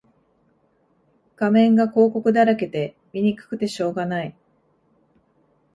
画面が広告だらけで見にくくてしょうがない